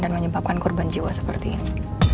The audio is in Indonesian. dan menyebabkan korban jiwa seperti ini